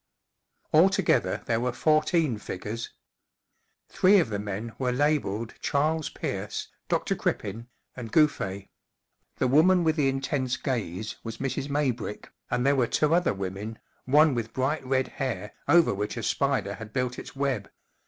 Altogether there were fourteen figures. Three of the men were labelled Charles Peafce, Dr. Crippen, and Gouff6. The woman with the intense gaze was Mrs. Maybrick, and there were two other women, one with bright red hair over which a spider had built its web.